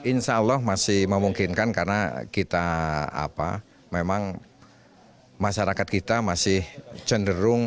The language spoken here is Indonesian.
insya allah masih memungkinkan karena kita apa memang masyarakat kita masih cenderung